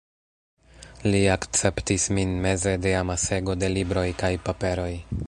Li akceptis min meze de amasego de libroj kaj paperoj.